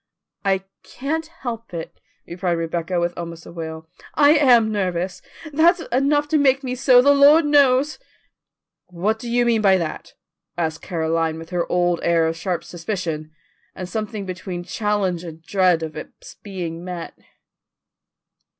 "I can't help it," replied Rebecca with almost a wail. "I am nervous. There's enough to make me so, the Lord knows." "What do you mean by that?" asked Caroline with her old air of sharp suspicion, and something between challenge and dread of its being met.